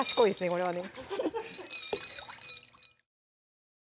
これはね